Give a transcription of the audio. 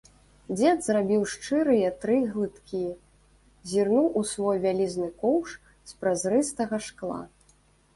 Дзед зрабіў шчырыя тры глыткі, зірнуў у свой вялізны коўш з празрыстага шкла.